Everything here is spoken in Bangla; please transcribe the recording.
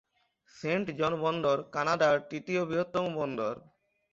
সেন্ট জন বন্দর কানাডার তৃতীয় বৃহত্তম বন্দর।